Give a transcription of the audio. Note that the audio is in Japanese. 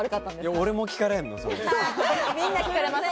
俺も聞かれるの？